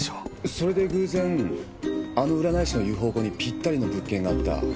それで偶然あの占い師の言う方向にぴったりの物件があった。